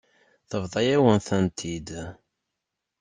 Tebḍa-yawen-tent-id.